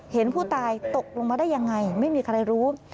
เห็นผู้ตายตกลงมาได้ยังไงไม่มีใครรู้